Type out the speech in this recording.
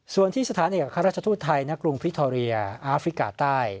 ส่วนที่สถานกับข้าราชทู้ไทยณกรุงพิทโรเยอร์อาฟริกาใต้